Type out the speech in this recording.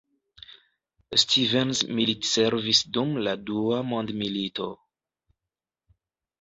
Stevens militservis dum la Dua Mondmilito.